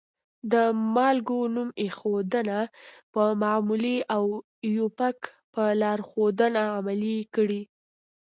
د مالګو نوم ایښودنه په معمولي او آیوپک په لارښودنه عملي کړئ.